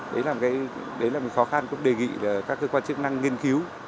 đấy là một khó khăn cũng đề nghị các cơ quan chức năng nghiên cứu